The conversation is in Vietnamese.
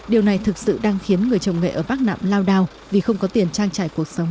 điều này thực sự đang khiến người trồng nghệ ở bắc nạm lao đao vì không có tiền trang trải cuộc sống